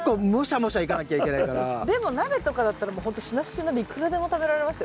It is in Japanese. でも鍋とかだったらもうほんとしなしなでいくらでも食べられますよ。